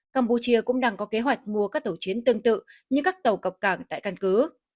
campuchia cũng đang có kế hoạch mua các tàu chiến tương tự như các tàu cập cảng tại căn cứ